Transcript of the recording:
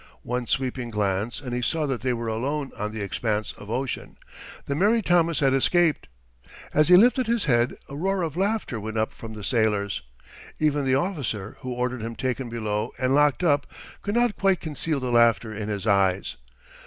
One sweeping glance, and he saw that they were alone on the expanse of ocean. The Mary Thomas had escaped. As he lifted his head, a roar of laughter went up from the sailors. Even the officer, who ordered him taken below and locked up, could not quite conceal the laughter in his eyes.